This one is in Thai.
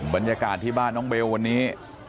บรรยากาศที่บ้านน้องเบลวันนี้